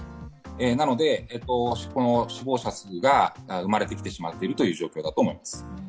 なので、この死亡者数が生まれてきてしまっているという状況だと思います。